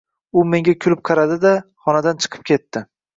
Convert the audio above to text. U menga kulib qaradi-da, honadan chiqib ketdi